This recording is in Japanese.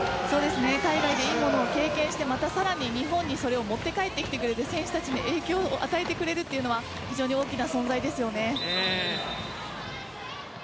海外でいいものを経験してまた、さらに日本にそれを持って帰ってきてくれる選手たちに影響を与えてくれるというのは非常に大きな存在ですよね。